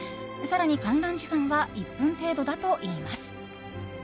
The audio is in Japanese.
更に観覧時間は１分程度だといいます。